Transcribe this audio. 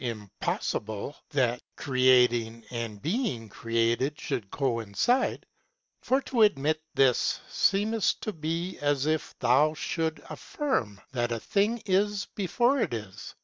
impotfiblcthat creating and be ang created fnould coincide (for i o admit chij , feemes to be at if onefliould aifirme, that a thing is before it is